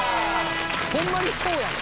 ホンマにそうやん。